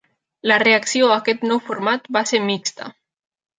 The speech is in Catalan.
La reacció a aquest nou format va ser mixta.